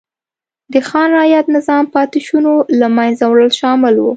د خان رعیت نظام پاتې شونو له منځه وړل شامل و.